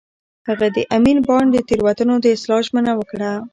هغه د امین بانډ د تېروتنو د اصلاح ژمنه وکړه.